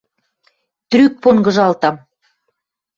Трӱк понгыжалтам.